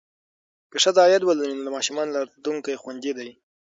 که ښځه عاید ولري، نو د ماشومانو راتلونکی خوندي دی.